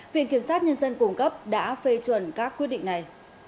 viện kiểm sát nhân dân cung cấp đã phê chuẩn các quyết định này